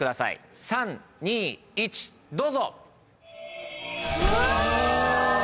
３・２・１どうぞ。